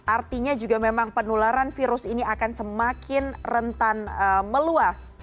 artinya juga memang penularan virus ini akan semakin rentan meluas